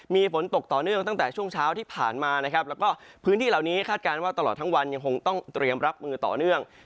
มีฝนตกต่อเนื่องตั้งแต่ช่วงเช้าที่ผ่านมานะครับแล้วก็พื้นที่เหล่านี้คาดการณ์ว่าตลอดทั้งวันยังคงต้องเตรียมรับมือต่อเนื่อง